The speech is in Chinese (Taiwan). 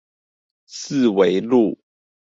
四維路